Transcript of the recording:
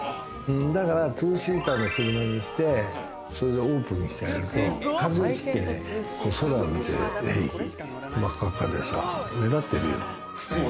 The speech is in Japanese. だから２シーターの車にしてオープンにしてやると風を切ってね、空を見て、真っ赤っかでさ、目立ってるよ。